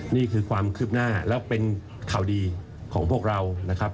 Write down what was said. นี่คือความคืบหน้าแล้วเป็นข่าวดีของพวกเรานะครับ